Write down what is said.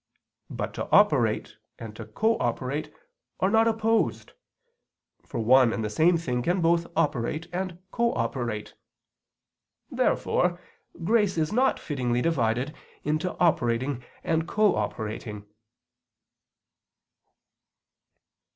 But to operate and to cooperate are not opposed; for one and the same thing can both operate and cooperate. Therefore grace is not fittingly divided into operating and cooperating.